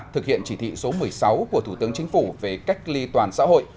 thực hiện chỉ thị số một mươi sáu của thủ tướng chính phủ về cách ly toàn xã hội